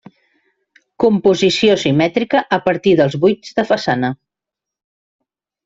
Composició simètrica a partir dels buits de façana.